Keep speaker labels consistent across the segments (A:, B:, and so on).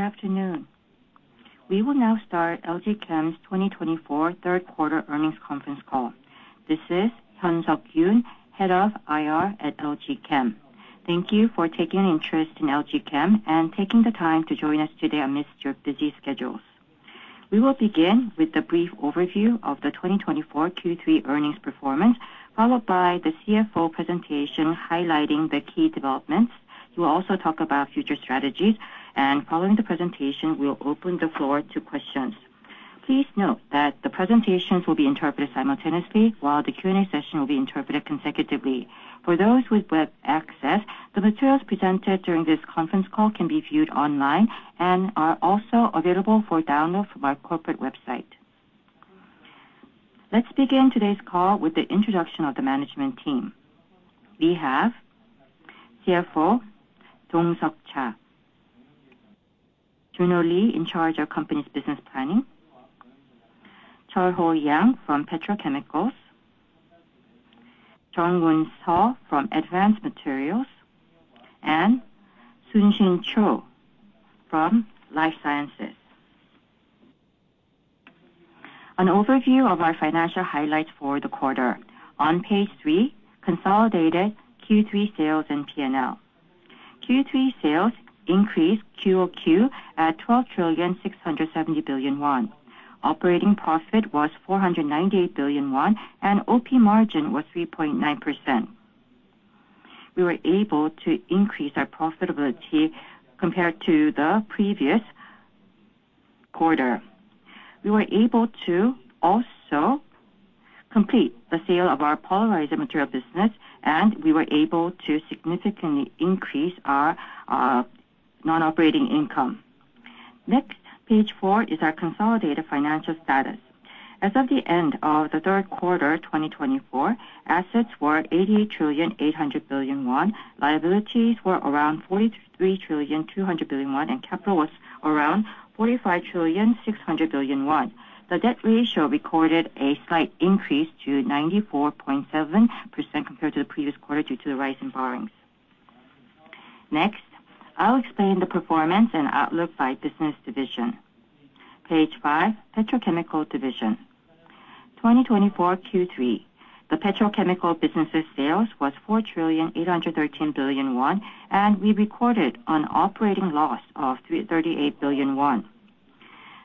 A: Good afternoon. We will now start LG Chem's twenty twenty-four third quarter earnings conference call. This is Hyun Suk Yun, Head of IR at LG Chem. Thank you for taking an interest in LG Chem, and taking the time to join us today amidst your busy schedules. We will begin with a brief overview of the twenty twenty-four Q3 earnings performance, followed by the CFO presentation highlighting the key developments. We will also talk about future strategies, and following the presentation, we will open the floor to questions. Please note that the presentations will be interpreted simultaneously, while the Q&A session will be interpreted consecutively. For those with web access, the materials presented during this conference call can be viewed online and are also available for download from our corporate website. Let's begin today's call with the introduction of the management team. We have CFO Dong Seok Cha; Yoon Ho Lee, in charge of company's business planning; Cheol Ho Yang from Petrochemicals; Jung Won Seo from Advanced Materials, and Sun Shin Cho from Life Sciences. An overview of our financial highlights for the quarter. On page three, consolidated Q3 sales and P&L. Q3 sales increased Q over Q at 12.67 trillion. Operating profit was 498 billion won, and OP margin was 3.9%. We were able to increase our profitability compared to the previous quarter. We were able to also complete the sale of our polymer material business, and we were able to significantly increase our non-operating income. Next, page four is our consolidated financial status. As of the end of the third quarter, 2024, assets were 80.8 trillion. Liabilities were around 43.2 trillion, and capital was around 45.6 trillion. The debt ratio recorded a slight increase to 94.7% compared to the previous quarter, due to the rise in borrowings. Next, I'll explain the performance and outlook by business division. Page 5, Petrochemical division. 2024 Q3, the petrochemical business's sales was 4.813 trillion, and we recorded an operating loss of 338 billion won.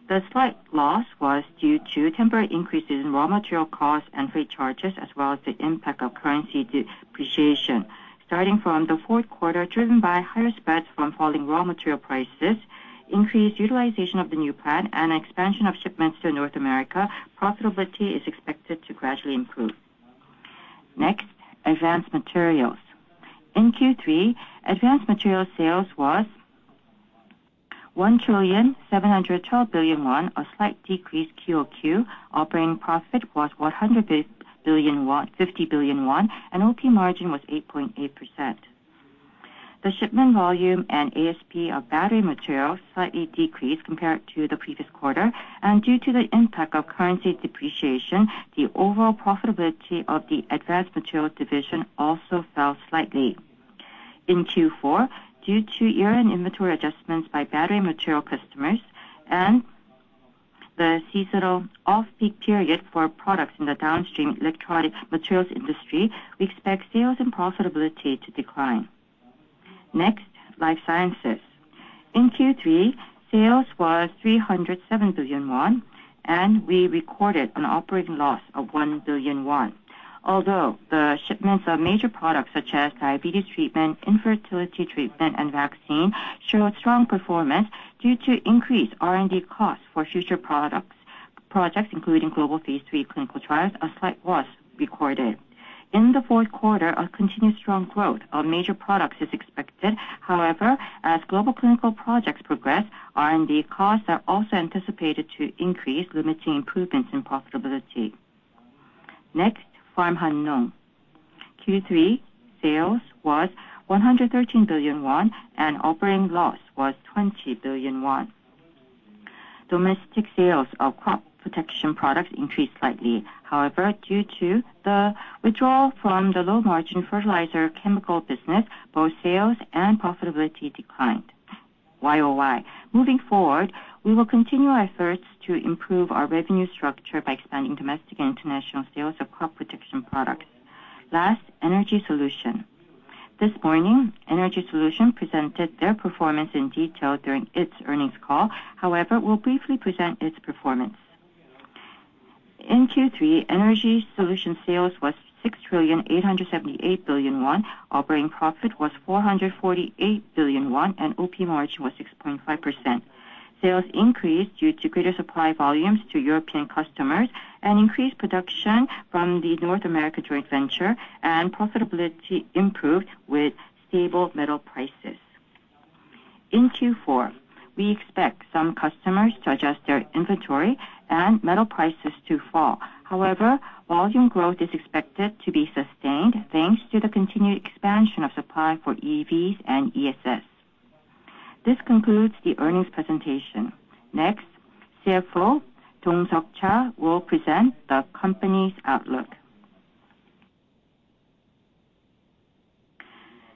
A: The slight loss was due to temporary increases in raw material costs and freight charges, as well as the impact of currency depreciation. Starting from the fourth quarter, driven by higher spreads from falling raw material prices, increased utilization of the new plant, and expansion of shipments to North America, profitability is expected to gradually improve. Next, advanced materials. In Q3, advanced materials sales was 1.712 trillion won, a slight decrease QOQ. Operating profit was 150 billion won, and OP margin was 8.8%. The shipment volume and ASP of battery materials slightly decreased compared to the previous quarter, and due to the impact of currency depreciation, the overall profitability of the advanced materials division also fell slightly. In Q4, due to year-end inventory adjustments by battery material customers and the seasonal off-peak period for products in the downstream electronic materials industry, we expect sales and profitability to decline. Next, life sciences. In Q3, sales was 307 billion won, and we recorded an operating loss of 1 billion won. Although the shipments of major products such as diabetes treatment, infertility treatment, and vaccine showed strong performance, due to increased R&D costs for future products, projects including global phase three clinical trials, a slight loss recorded. In the fourth quarter, a continued strong growth of major products is expected. However, as global clinical projects progress, R&D costs are also anticipated to increase, limiting improvements in profitability. Next, Farm Hannong. Q3 sales was 113 billion won, and operating loss was 20 billion won. Domestic sales of crop protection products increased slightly. However, due to the withdrawal from the low-margin fertilizer chemical business, both sales and profitability declined YOY. Moving forward, we will continue our efforts to improve our revenue structure by expanding domestic and international sales of crop protection products. Last, Energy Solution. This morning, Energy Solution presented their performance in detail during its earnings call. However, we'll briefly present its performance. In Q3, energy solution sales was 6.878 trillion, operating profit was 448 billion won, and OP margin was 6.5%. Sales increased due to greater supply volumes to European customers and increased production from the North America joint venture, and profitability improved with stable metal prices. In Q4, we expect some customers to adjust their inventory and metal prices to fall. However, volume growth is expected to be sustained, thanks to the continued expansion of supply for EVs and ESS. This concludes the earnings presentation. Next, CFO Dong-Seok Cha will present the company's outlook.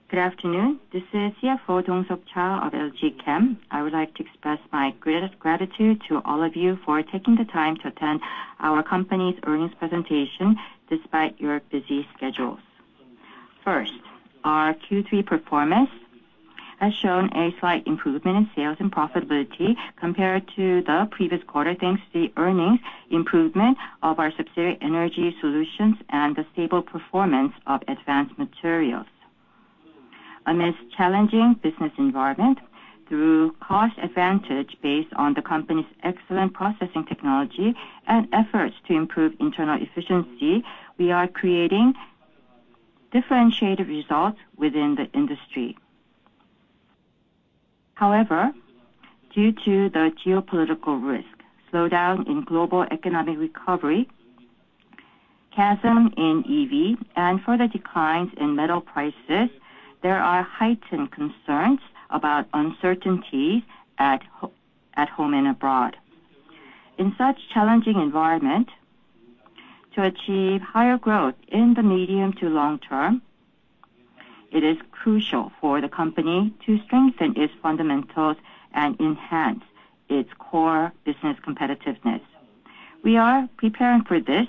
A: Good afternoon, this is CFO Dong-Seok Cha of LG Chem. I would like to express my great gratitude to all of you for taking the time to attend our company's earnings presentation despite your busy schedules. First, our Q3 performance has shown a slight improvement in sales and profitability compared to the previous quarter, thanks to the earnings improvement of our subsidiary Energy Solutions and the stable performance of advanced materials. Amidst challenging business environment, through cost advantage based on the company's excellent processing technology and efforts to improve internal efficiency, we are creating differentiated results within the industry. However, due to the geopolitical risk, slowdown in global economic recovery, chasm in EV, and further declines in metal prices, there are heightened concerns about uncertainty at home and abroad. In such challenging environment, to achieve higher growth in the medium to long term, it is crucial for the company to strengthen its fundamentals and enhance its core business competitiveness. We are preparing for this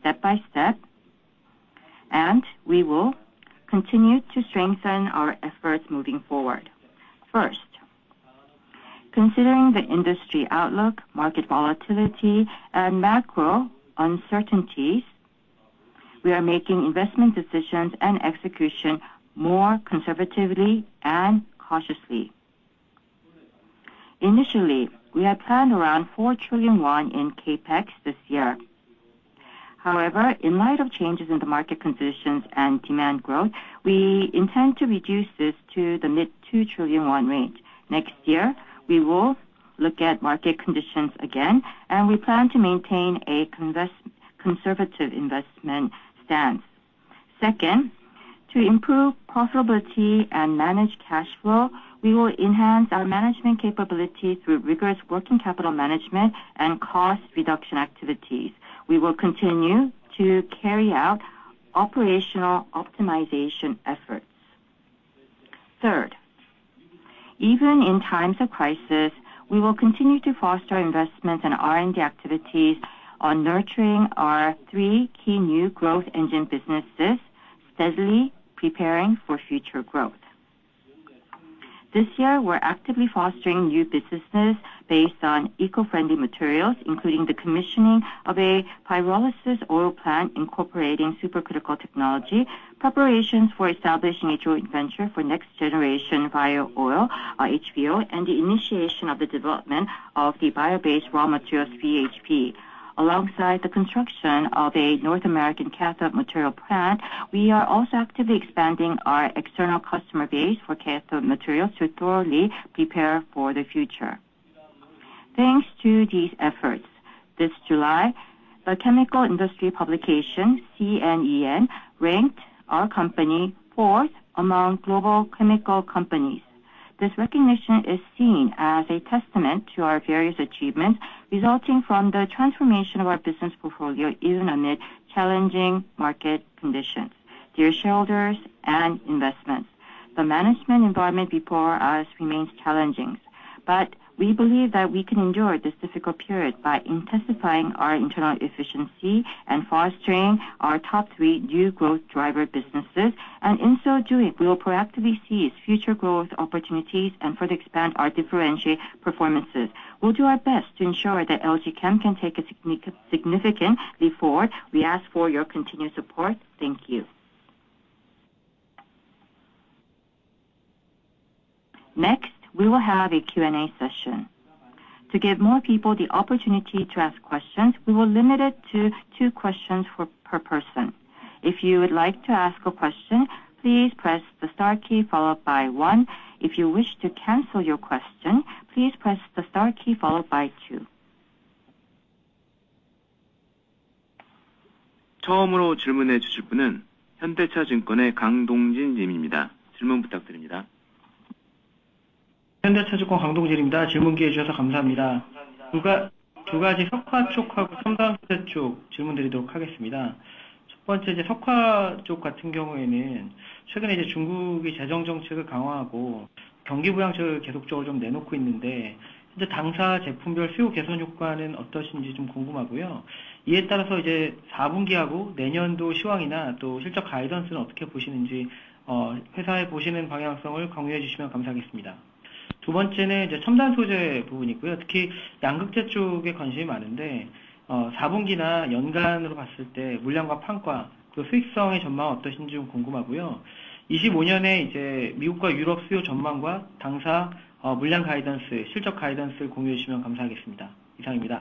A: step by step, and we will continue to strengthen our efforts moving forward. First, considering the industry outlook, market volatility, and macro uncertainties, we are making investment decisions and execution more conservatively and cautiously. Initially, we had planned around 4 trillion won in CapEx this year. However, in light of changes in the market conditions and demand growth, we intend to reduce this to the mid 2 trillion won range. Next year, we will look at market conditions again, and we plan to maintain a conservative investment stance. Second, to improve profitability and manage cash flow, we will enhance our management capabilities through rigorous working capital management and cost reduction activities. We will continue to carry out operational optimization efforts. Third, even in times of crisis, we will continue to foster investments and R&D activities on nurturing our three key new growth engine businesses, steadily preparing for future growth. This year, we're actively fostering new businesses based on eco-friendly materials, including the commissioning of a pyrolysis oil plant incorporating supercritical technology, preparations for establishing a joint venture for next generation bio oil, HVO, and the initiation of the development of the bio-based raw materials 3HP. Alongside the construction of a North American cathode material plant, we are also actively expanding our external customer base for cathode materials to thoroughly prepare for the future. Thanks to these efforts, this July, the chemical industry publication, C&EN, ranked our company fourth among global chemical companies. This recognition is seen as a testament to our various achievements, resulting from the transformation of our business portfolio, even amid challenging market conditions. Dear shareholders and investors, the management environment before us remains challenging, but we believe that we can endure this difficult period by intensifying our internal efficiency and fostering our top three new growth driver businesses, and in so doing, we will proactively seize future growth opportunities and further expand our differentiated performances. We'll do our best to ensure that LG Chem can take a significant leap forward. We ask for your continued support. Thank you. Next, we will have a Q&A session. To give more people the opportunity to ask questions, we will limit it to two questions per person. If you would like to ask a question, please press the star key followed by one. If you wish to cancel your question, please press the star key followed by two.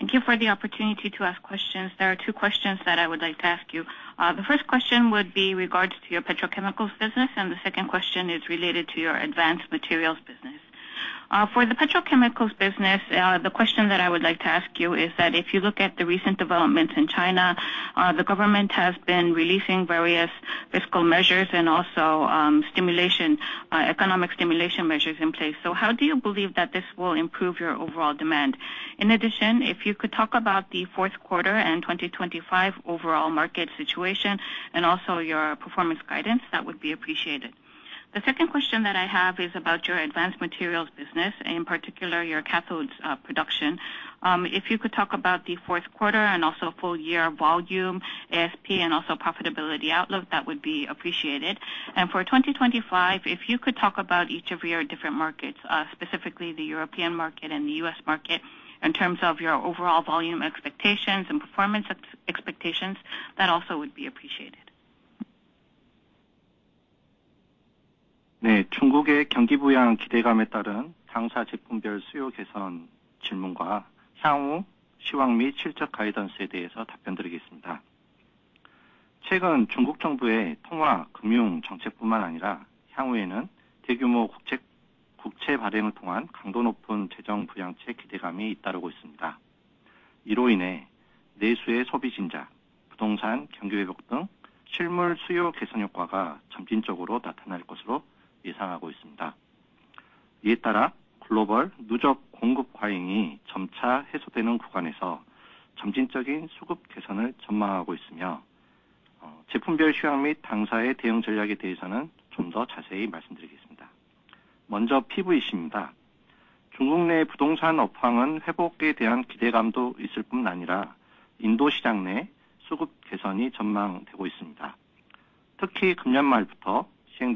A: Thank you for the opportunity to ask questions. There are two questions that I would like to ask you. The first question would be regards to your petrochemicals business, and the second question is related to your advanced materials business. For the petrochemicals business, the question that I would like to ask you is that if you look at the recent developments in China, the government has been releasing various fiscal measures and also economic stimulation measures in place. So how do you believe that this will improve your overall demand? In addition, if you could talk about the fourth quarter and twenty twenty-five overall market situation, and also your performance guidance, that would be appreciated. The second question that I have is about your advanced materials business, and in particular, your cathodes production. If you could talk about the fourth quarter and also full year volume, ASP, and also profitability outlook, that would be appreciated. And for twenty twenty-five, if you could talk about each of your different markets, specifically the European market and the US market, in terms of your overall volume expectations and performance expectations, that also would be appreciated. So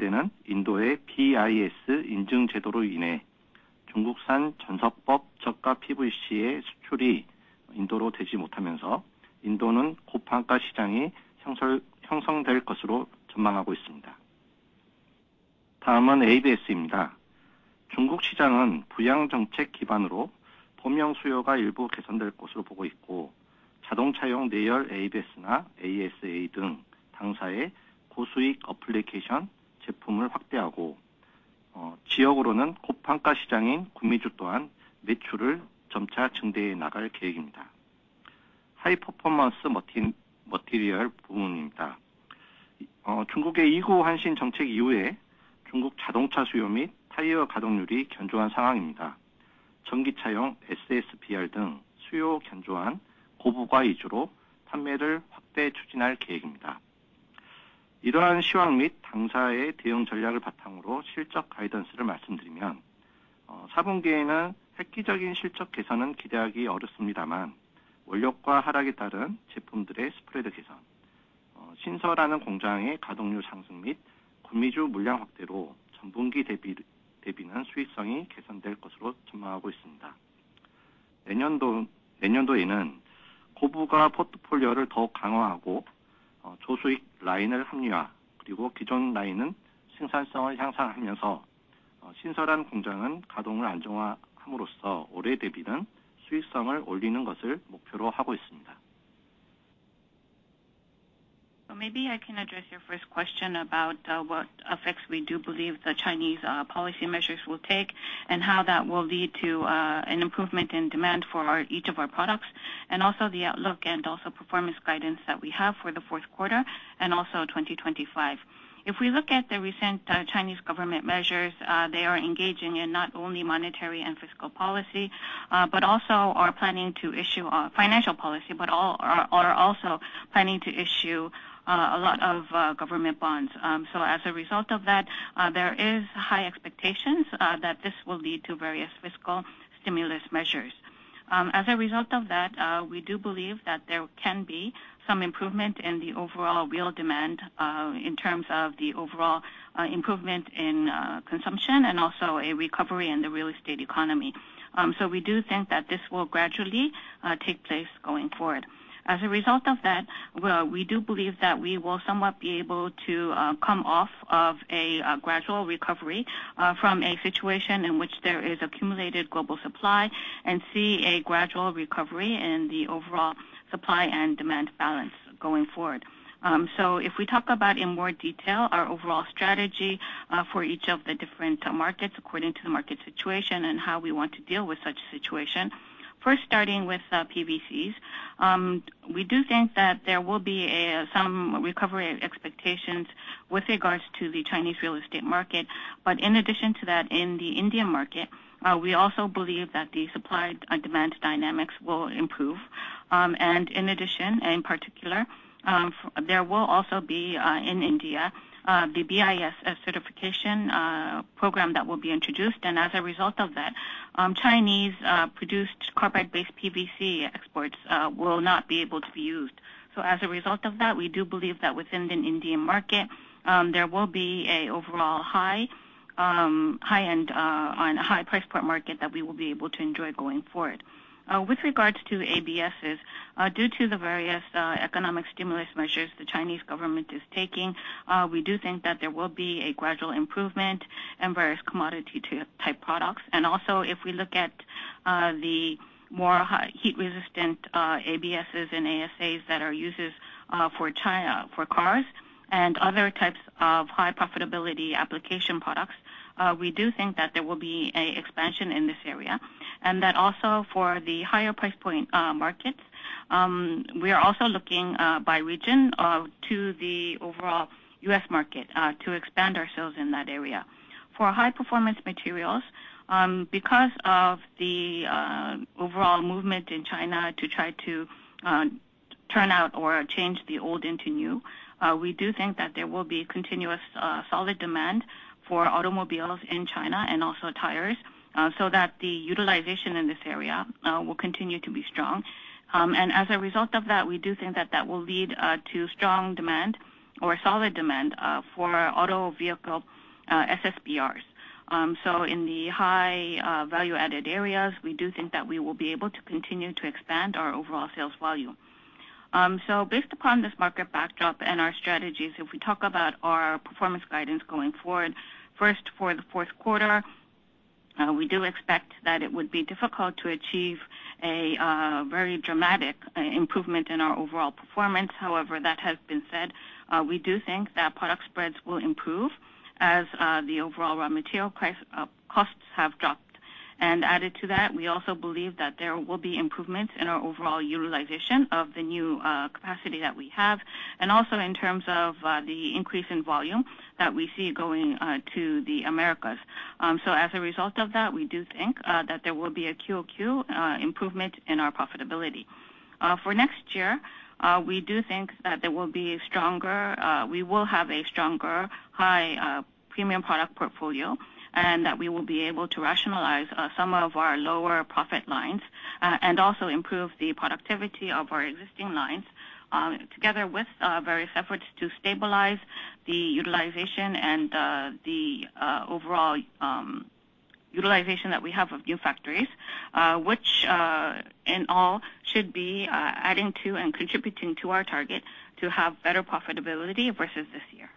A: maybe I can address your first question about what effects we do believe the Chinese policy measures will take, and how that will lead to an improvement in demand for our each of our products, and also the outlook and also performance guidance that we have for the fourth quarter and also twenty twenty-five. If we look at the recent Chinese government measures, they are engaging in not only monetary and fiscal policy, but also are planning to issue a financial policy, but are also planning to issue a lot of government bonds. So as a result of that, there is high expectations that this will lead to various fiscal stimulus measures. As a result of that, we do believe that there can be some improvement in the overall real demand, in terms of the overall improvement in consumption and also a recovery in the real estate economy. So we do think that this will gradually take place going forward. As a result of that, well, we do believe that we will somewhat be able to come off of a gradual recovery from a situation in which there is accumulated global supply, and see a gradual recovery in the overall supply and demand balance going forward. So if we talk about in more detail, our overall strategy for each of the different markets according to the market situation and how we want to deal with such a situation. First, starting with PVCs. We do think that there will be some recovery expectations with regards to the Chinese real estate market. But in addition to that, in the Indian market, we also believe that the supply and demand dynamics will improve. And in addition, in particular, there will also be in India the BIS certification program that will be introduced. And as a result of that, Chinese produced carbide-based PVC exports will not be able to be used. So as a result of that, we do believe that within the Indian market there will be a overall high high-end on a high price point market that we will be able to enjoy going forward. With regards to ABSs, due to the various economic stimulus measures the Chinese government is taking, we do think that there will be a gradual improvement in various commodity type products. And also, if we look at the more high heat resistant ABSs and ASAs that are used for China, for cars, and other types of high profitability application products. We do think that there will be an expansion in this area, and that also for the higher price point markets, we are also looking by region to the overall U.S. market to expand ourselves in that area. For high performance materials, because of the overall movement in China to try to turn out or change the old into new, we do think that there will be continuous solid demand for automobiles in China and also tires, so that the utilization in this area will continue to be strong. And as a result of that, we do think that will lead to strong demand or solid demand for auto vehicle SSBRs. So in the high value-added areas, we do think that we will be able to continue to expand our overall sales volume. So based upon this market backdrop and our strategies, if we talk about our performance guidance going forward, first, for the fourth quarter, we do expect that it would be difficult to achieve a very dramatic improvement in our overall performance. However, that has been said, we do think that product spreads will improve as the overall raw material price costs have dropped. And added to that, we also believe that there will be improvements in our overall utilization of the new capacity that we have, and also in terms of the increase in volume that we see going to the Americas. So as a result of that, we do think that there will be a QOQ improvement in our profitability. For next year, we do think that there will be stronger, we will have a stronger, high, premium product portfolio, and that we will be able to rationalize some of our lower profit lines, and also improve the productivity of our existing lines, together with various efforts to stabilize the utilization and the overall utilization that we have of new factories, which in all should be adding to and contributing to our target to have better profitability versus this year,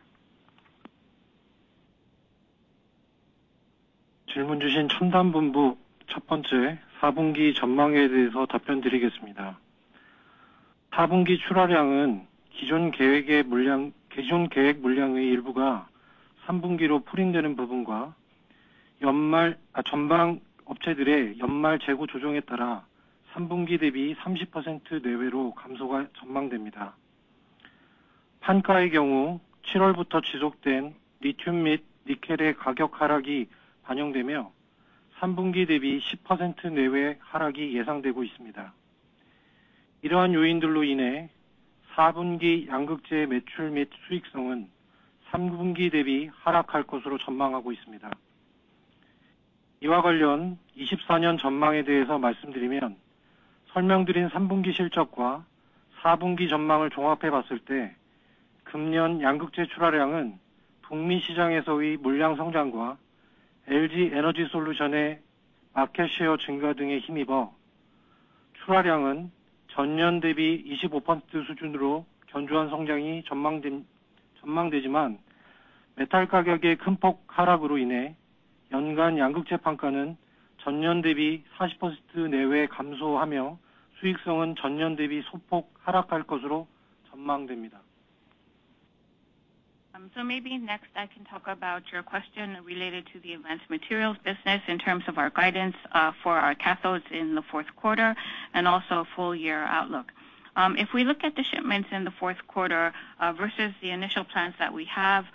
A: so maybe next I can talk about your question related to the advanced materials business in terms of our guidance for our cathodes in the fourth quarter and also full year outlook. If we look at the shipments in the fourth quarter, versus the initial plans that we have,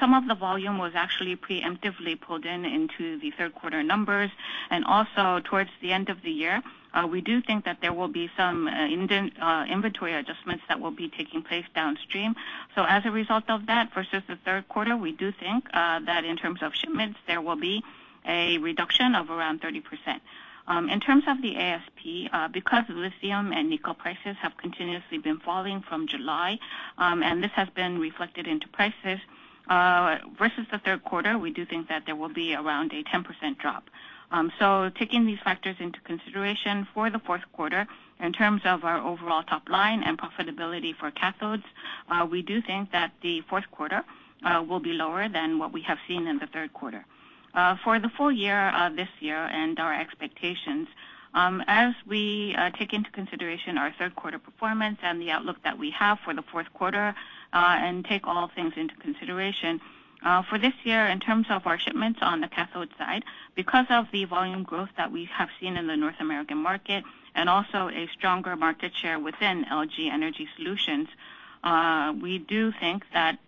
A: some of the volume was actually preemptively pulled in into the third quarter numbers, and also towards the end of the year, we do think that there will be some inventory adjustments that will be taking place downstream. So as a result of that, versus the third quarter, we do think that in terms of shipments, there will be a reduction of around 30%. In terms of the ASP, because lithium and nickel prices have continuously been falling from July, and this has been reflected into prices, versus the third quarter, we do think that there will be around a 10% drop. So taking these factors into consideration for the fourth quarter, in terms of our overall top line and profitability for cathodes, we do think that the fourth quarter will be lower than what we have seen in the third quarter. For the full year, this year and our expectations, as we take into consideration our third quarter performance and the outlook that we have for the fourth quarter, and take all things into consideration, for this year, in terms of our shipments on the cathode side, because of the volume growth that we have seen in the North American market and also a stronger market share within LG Energy Solution, we do think that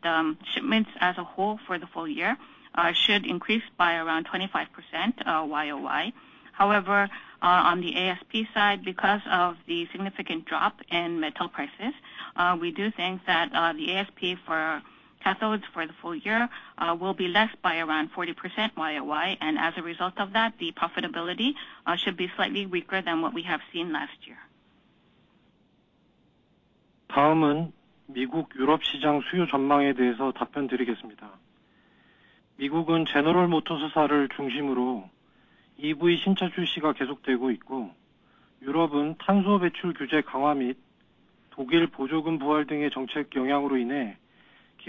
A: shipments as a whole for the full year should increase by around 25%, YOY. However, on the ASP side, because of the significant drop in metal prices, we do think that the ASP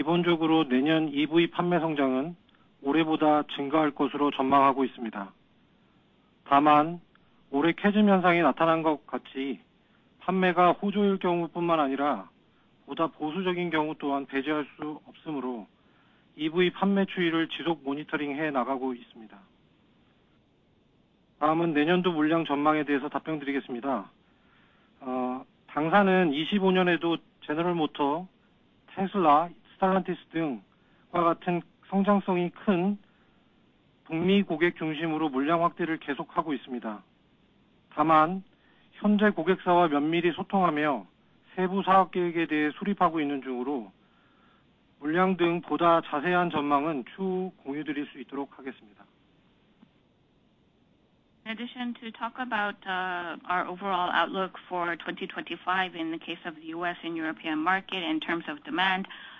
A: for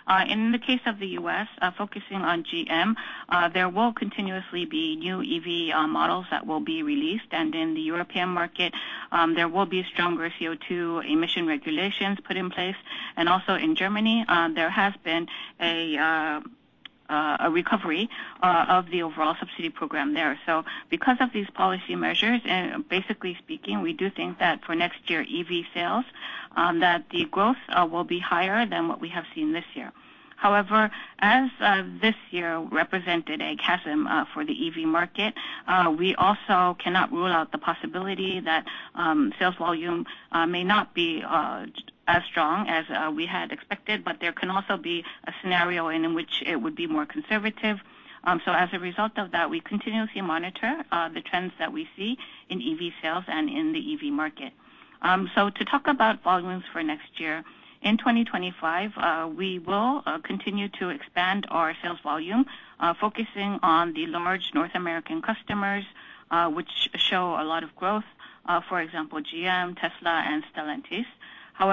A: cathodes for the full year will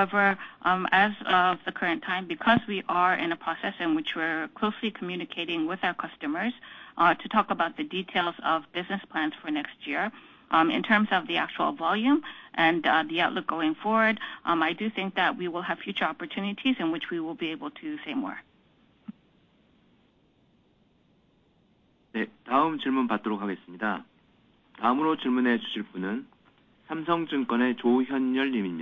A: be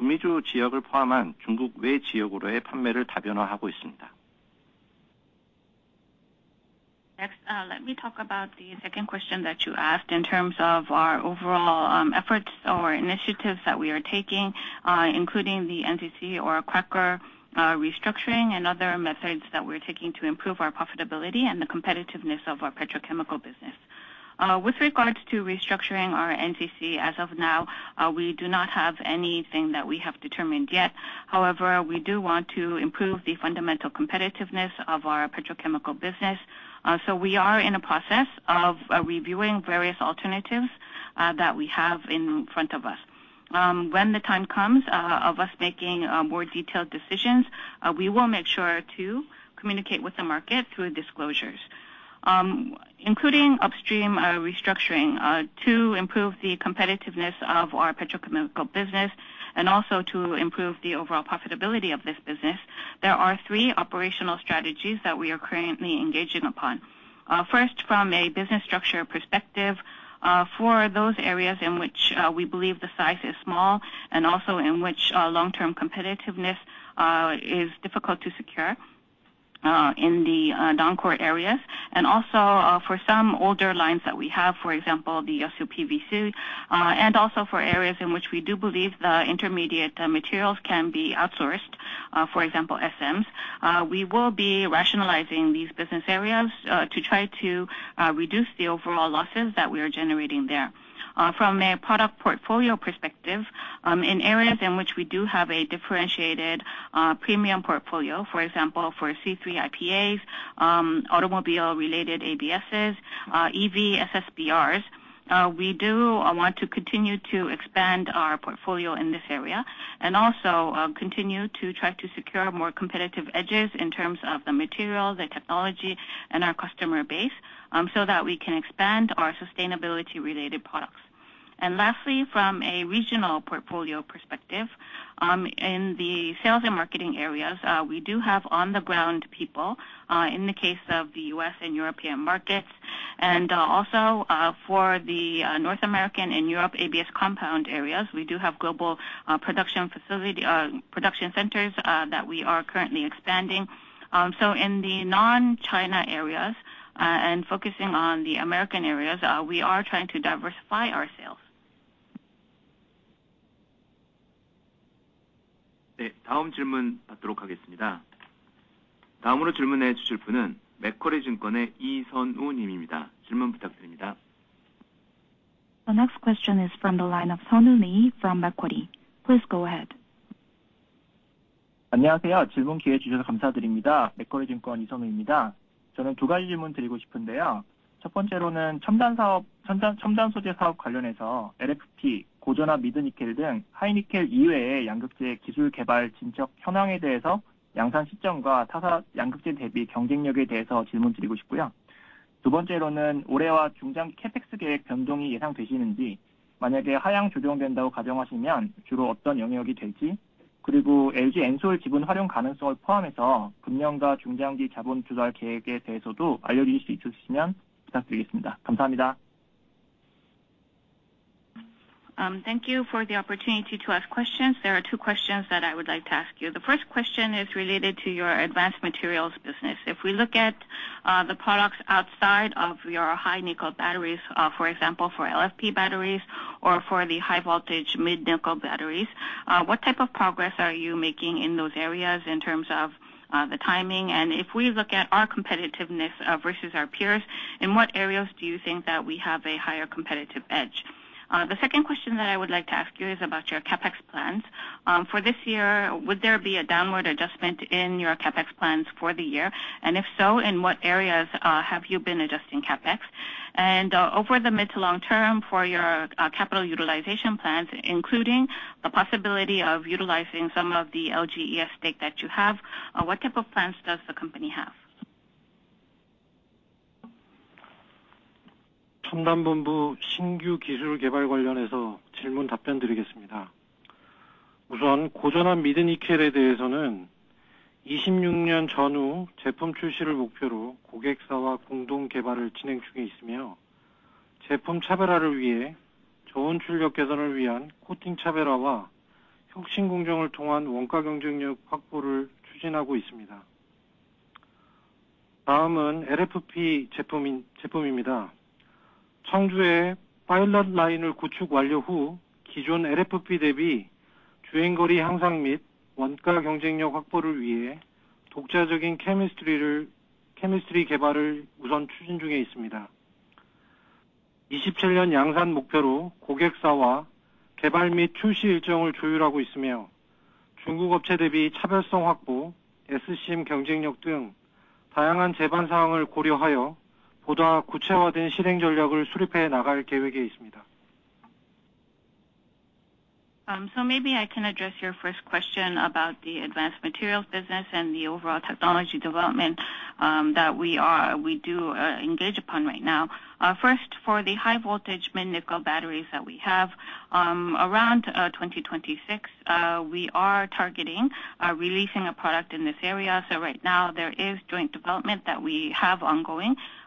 A: less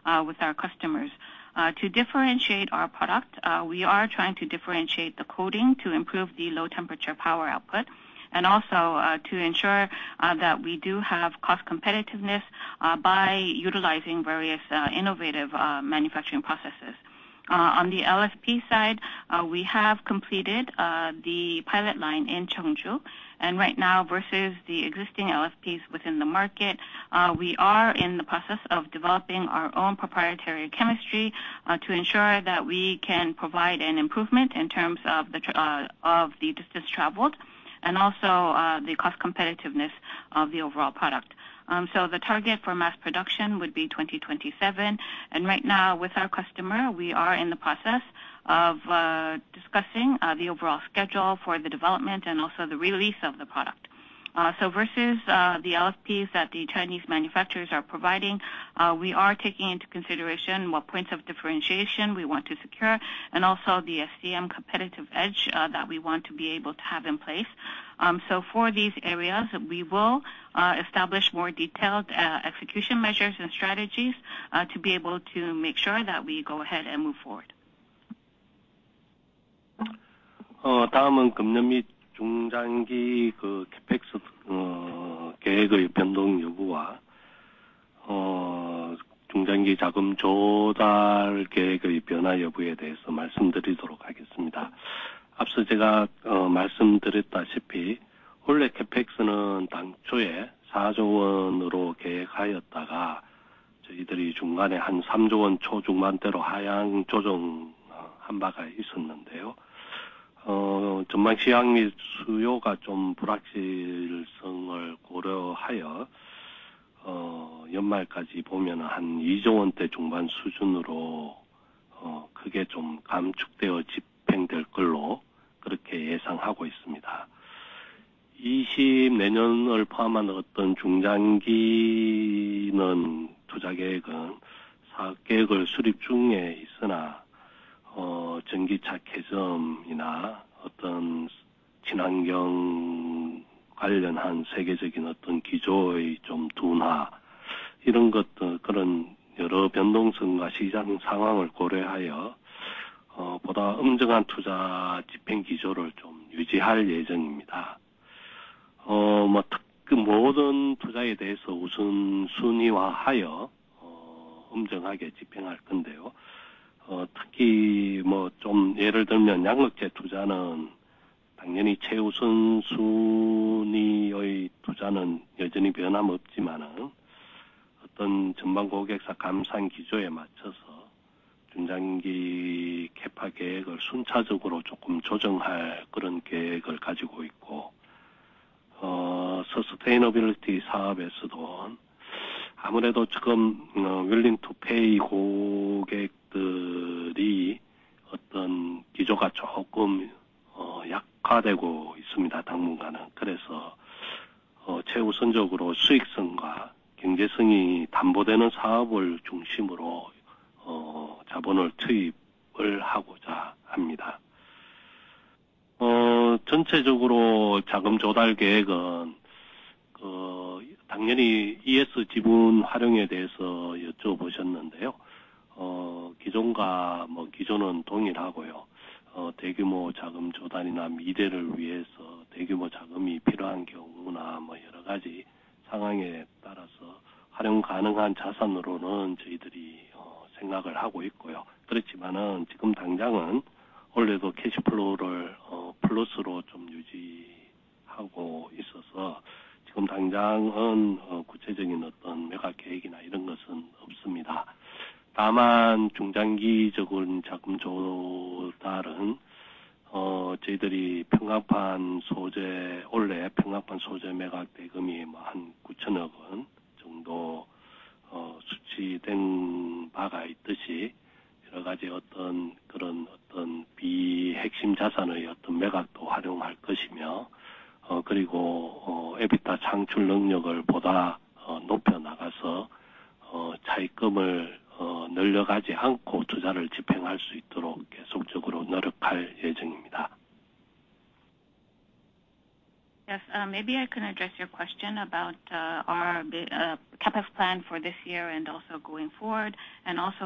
A: by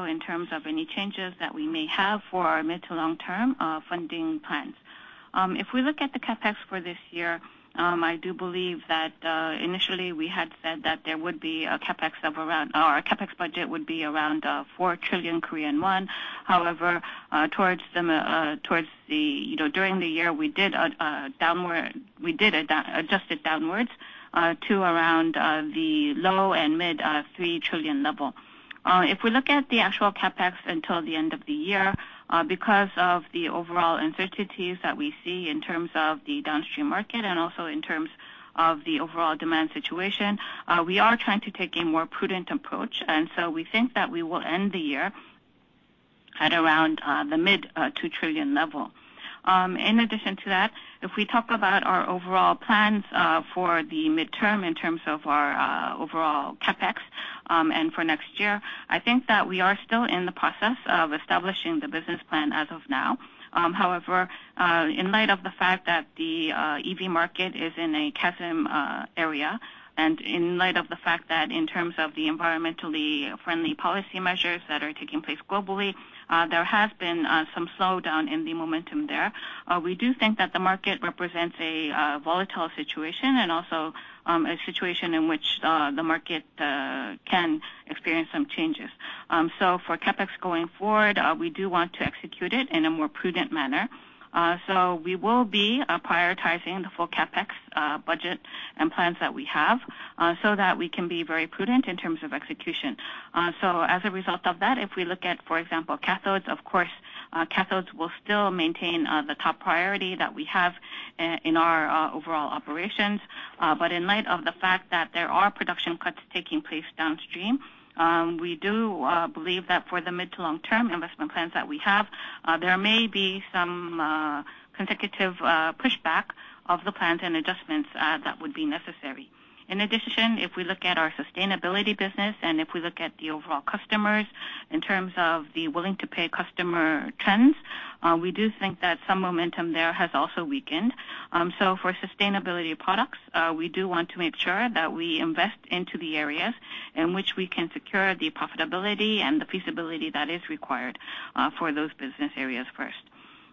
A: around YOY.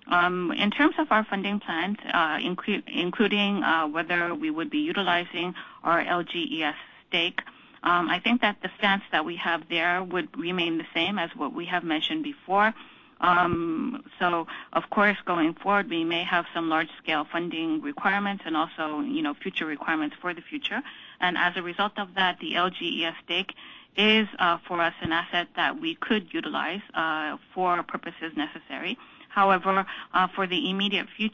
A: And as a result of that, the profitability should be slightly weaker than what we have seen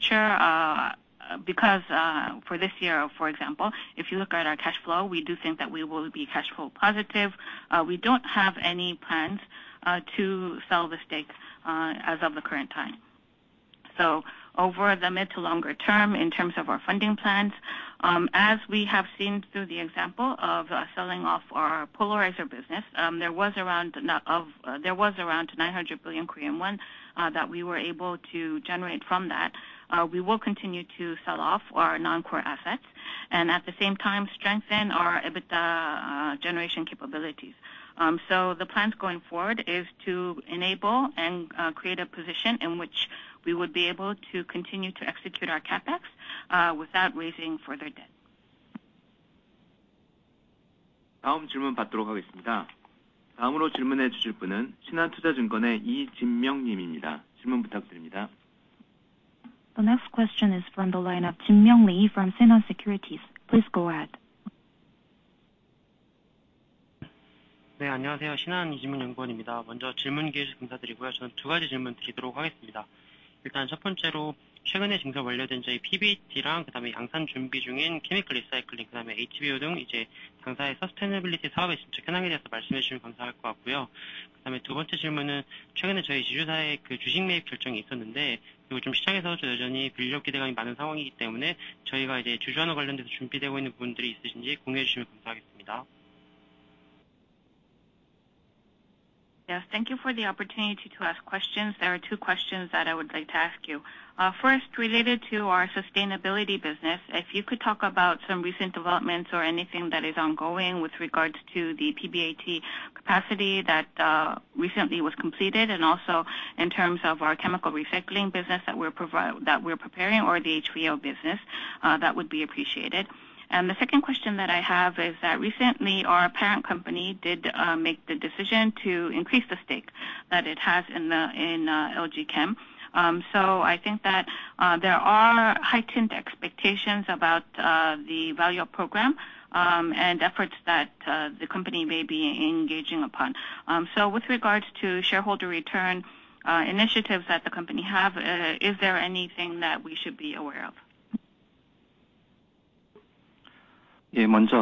A: last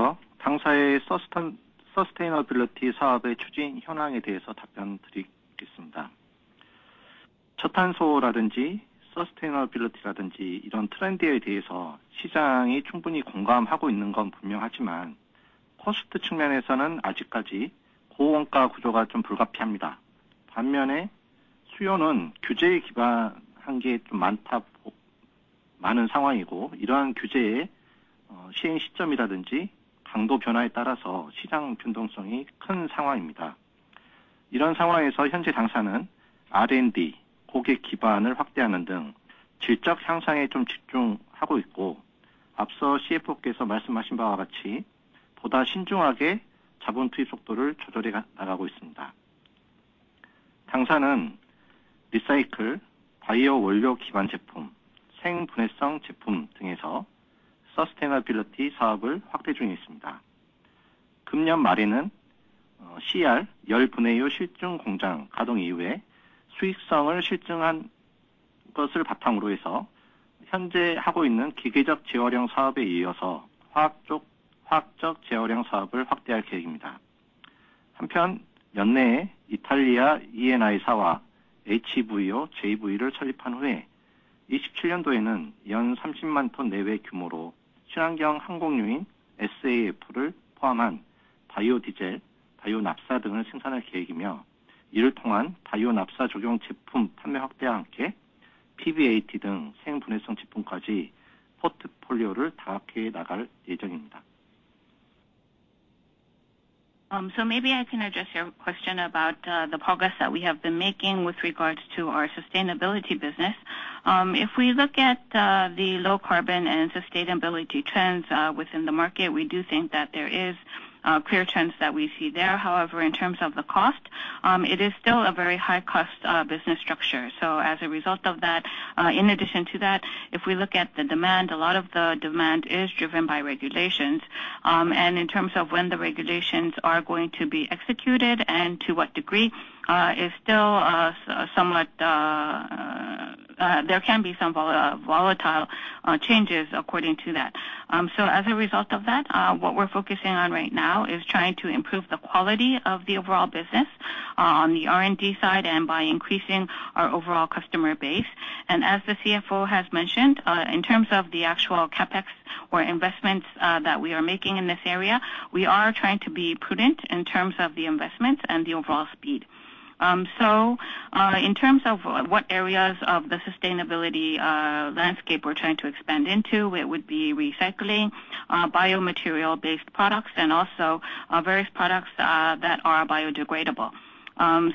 A: year.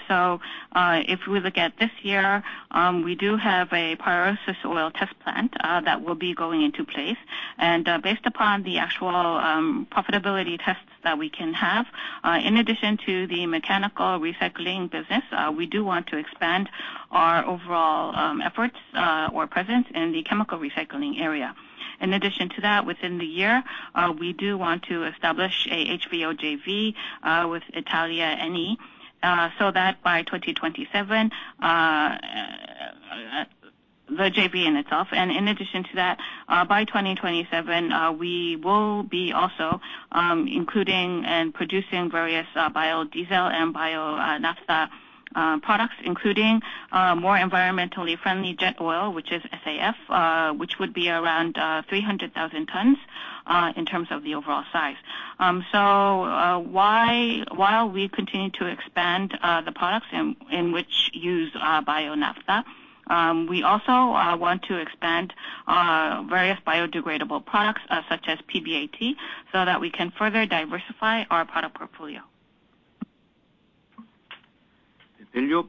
A: We'll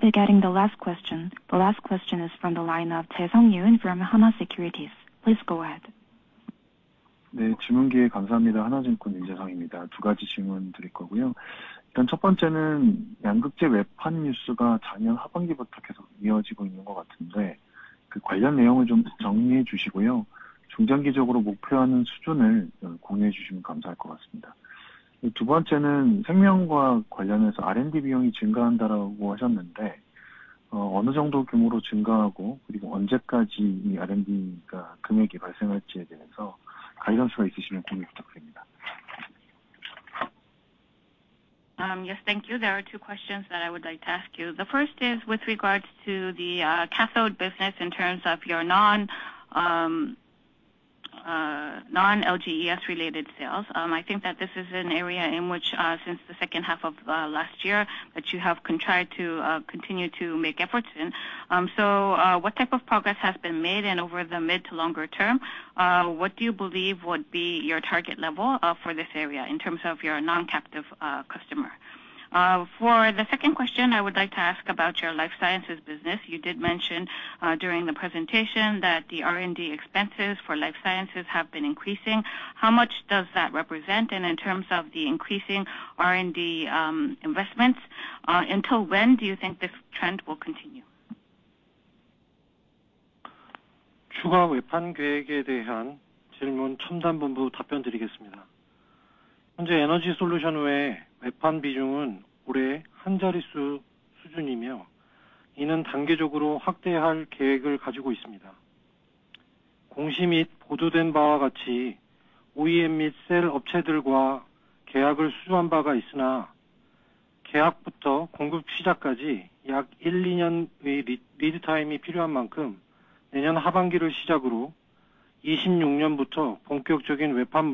A: be getting the last question. The last question is from the line of Taesung Yoon from Hana Securities. Please go ahead.
B: Yes, thank you. There are two questions that I would like to ask you. The first is with regards to the cathode business in terms of your non-LGES related sales. I think that this is an area in which, since the second half of last year, that you have tried to continue to make efforts in. So, what type of progress has been made? And over the mid to longer term, what do you believe would be your target level for this area in terms of your non-captive customer? For the second question, I would like to ask about your life sciences business. You did mention during the presentation that the R&D expenses for life sciences have been increasing. How much does that represent? And in terms of the increasing R&D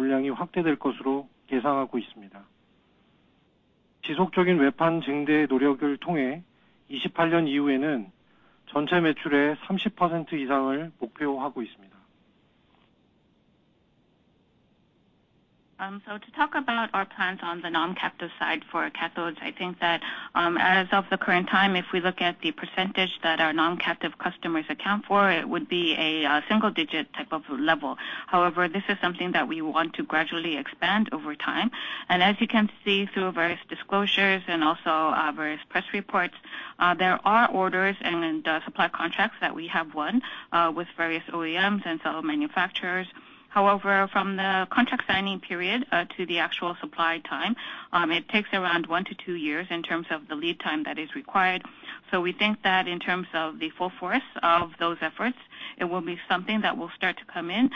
B: investments, until when do you think this trend will continue? So to talk about our plans on the non-captive side for cathodes, I think that as of the current time, if we look at the percentage that our non-captive customers account for, it would be a single digit type of level. However, this is something that we want to gradually expand over time. As you can see through various disclosures and also various press reports, there are orders and supply contracts that we have won with various OEMs and cell manufacturers. However, from the contract signing period to the actual supply time, it takes around one to two years in terms of the lead time that is required. We think that in terms of the full force of those efforts, it will be something that will start to come in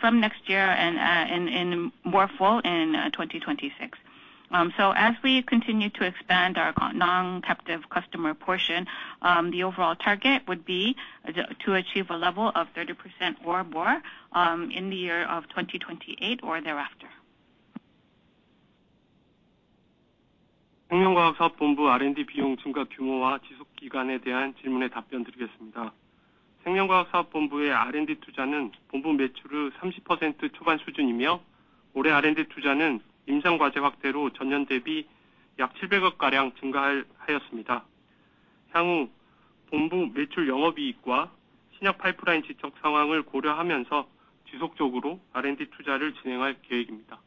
B: from next year and more full in 2026. As we continue to expand our non-captive customer portion, the overall target would be to achieve a level of 30% or more in the year of 2028 or thereafter.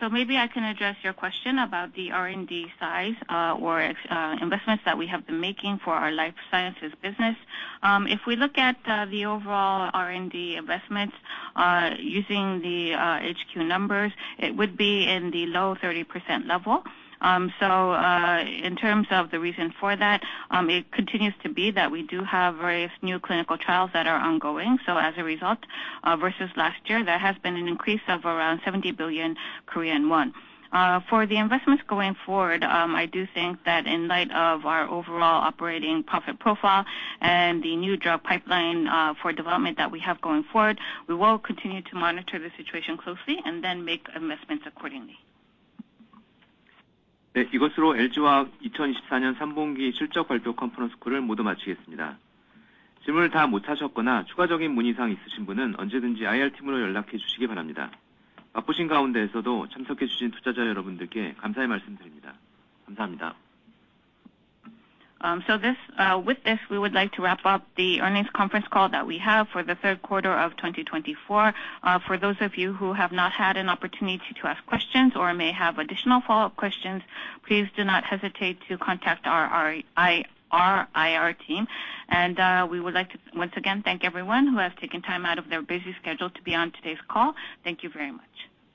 B: So maybe I can address your question about the R&D size, investments that we have been making for our life sciences business. If we look at the overall R&D investments using the HQ numbers, it would be in the low 30% level. In terms of the reason for that, it continues to be that we do have various new clinical trials that are ongoing. So as a result, versus last year, there has been an increase of around 70 billion Korean won. For the investments going forward, I do think that in light of our overall operating profit profile and the new drug pipeline for development that we have going forward, we will continue to monitor the situation closely and then make investments accordingly.
A: With this, we would like to wrap up the earnings conference call that we have for the third quarter of twenty twenty-four. For those of you who have not had an opportunity to ask questions or may have additional follow-up questions, please do not hesitate to contact our IR team, and we would like to once again thank everyone who has taken time out of their busy schedule to be on today's call. Thank you very much.